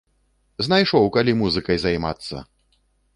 Знайшоў калі музыкай займацца!